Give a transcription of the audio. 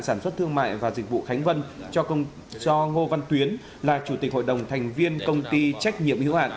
sản xuất thương mại và dịch vụ khánh vân cho ngô văn tuyến là chủ tịch hội đồng thành viên công ty trách nhiệm hữu hạn